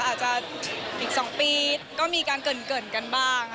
อาจจะอีก๒ปีก็มีการเกริ่นกันบ้าง